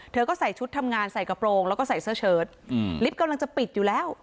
เธอก็ใส่ชุดทำงานใส่กระโปรงแล้วก็ใส่เสื้อเชิดลิฟต์กำลังจะปิดอยู่แล้ว